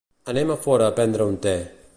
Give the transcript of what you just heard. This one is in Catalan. Anem a fora a prendre un té.